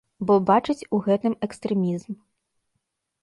Бо бачыць у гэтым экстрэмізм.